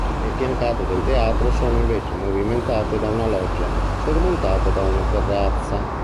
Le fiancate del teatro sono invece movimentate da una loggia sormontata da una terrazza.